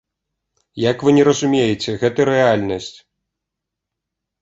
Як вы не разумееце, гэта рэальнасць.